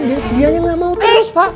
dan dia gak mau terus pak